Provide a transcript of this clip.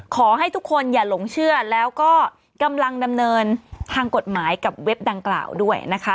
ขอให้ทุกคนอย่าหลงเชื่อแล้วก็กำลังดำเนินทางกฎหมายกับเว็บดังกล่าวด้วยนะคะ